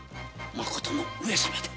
まことの上様で？